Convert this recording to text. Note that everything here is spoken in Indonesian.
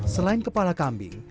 selain kepala kambing